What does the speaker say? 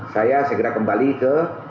saya segera kembali ke